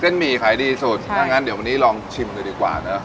หมี่ขายดีสุดถ้างั้นเดี๋ยววันนี้ลองชิมเลยดีกว่าเนอะ